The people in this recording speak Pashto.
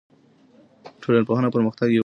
ټولنیز پرمختګ یو اوږد سفر دی.